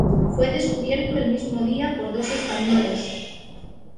Fue descubierto el mismo día por dos españoles.